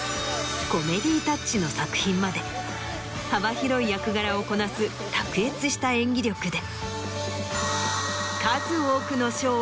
コメディータッチの作品まで幅広い役柄をこなす卓越した演技力で。